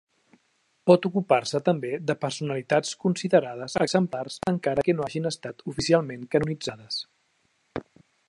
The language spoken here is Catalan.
Pot ocupar-se també de personalitats considerades exemplars encara que no hagin estat oficialment canonitzades.